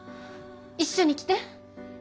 一緒に来て。